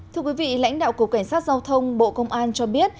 thưa quý vị lãnh đạo của quản sát giao thông bộ công an cho biết